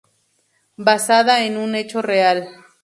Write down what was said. Basada en un hecho real.